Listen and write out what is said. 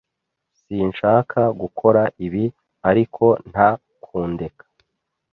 Sinshaka gukora ibi, ariko nta kundeka.